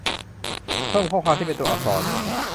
เพิ่มข้อความที่เป็นตัวอักษร